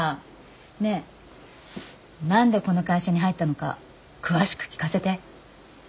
ねえ何でこの会社に入ったのか詳しく聞かせて。